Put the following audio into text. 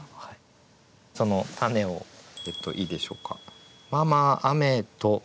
そのたねをいいでしょうか。